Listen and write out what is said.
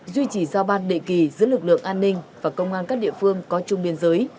duy trì giao ban đệ kỳ giữa lực lượng an ninh và công an các địa phương có chung biên giới